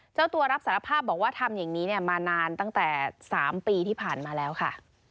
เจ้าตัวรับสารภาพบอกว่าทำอย่างนี้มานานตั้งแต่๓ปีที่ผ่านมาแล้วค่ะ